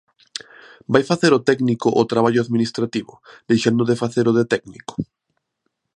¿Vai facer o técnico o traballo administrativo, deixando de facer o de técnico?